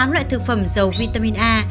tám loại thực phẩm dầu vitamin a